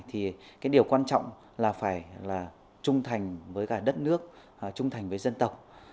thì cái điều quan trọng là phải là trung thành với cả đất nước trung thành với dân tộc